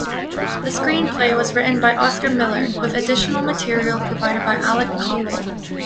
The screenplay was written by Oscar Millard, with additional material provided by Alec Coppel.